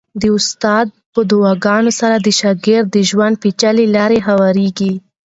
د استاد په دعاګانو سره د شاګرد د ژوند پېچلې لارې هوارېږي.